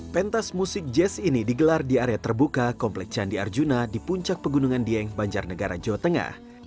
pentas musik jazz ini digelar di area terbuka komplek candi arjuna di puncak pegunungan dieng banjarnegara jawa tengah